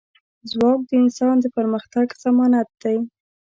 ځواک د انسان د پرمختګ ضمانت دی.